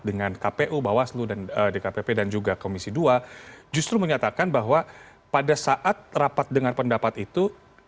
dengan kpu bawaslu dan dkpp dan juga komisi dua justru menyatakan bahwa pada saat rapat dengan pendapat itu